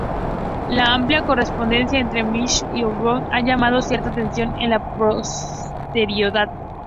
La amplia correspondencia entre Nietzsche y Overbeck ha llamado cierta atención en la posterioridad.